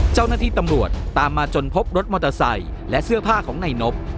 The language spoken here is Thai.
เจ้าหน้าที่ตำรวจตามมาจนพบรถมอเตอร์ไซค์และเสื้อผ้าของนายนบ